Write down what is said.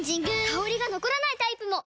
香りが残らないタイプも！